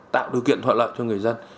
tạo điều kiện thuận lợi cho người dân